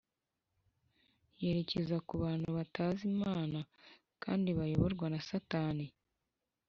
yerekeza ku bantu batazi Imana kandi bayoborwa na Satani